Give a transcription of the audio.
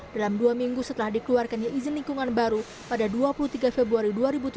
dalam dua minggu setelah dikeluarkannya izin lingkungan baru pada dua puluh tiga februari dua ribu tujuh belas